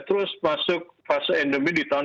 terus masuk fase endemik di tahun